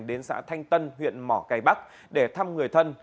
đến xã thanh tân huyện mỏ cây bắc để thăm người thân